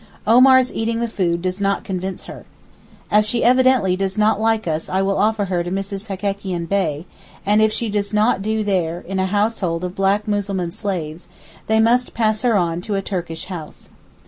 Omar's eating the food does not convince her. As she evidently does not like us I will offer her to Mrs. Hekekian Bey, and if she does not do there, in a household of black Mussulman slaves, they must pass her on to a Turkish house.